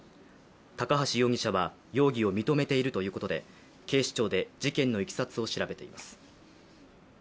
高橋容疑者は容疑を認めているということで警視庁で事件のいきさつを調べています。